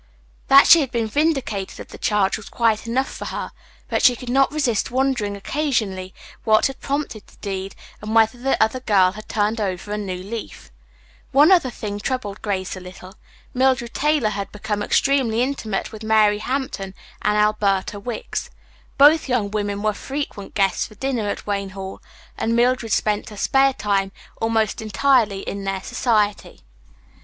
That she had been vindicated of the charge was quite enough for her, but she could not resist wondering occasionally what had prompted the deed, and whether the other girl had turned over a new leaf. One other thing troubled Grace not a little. Mildred Taylor had become extremely intimate with Mary Hampton and Alberta Wicks. Both young women were frequent guests for dinner at Wayne Hall, and Mildred spent her spare time almost entirely in their society.